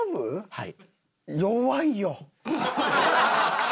はい。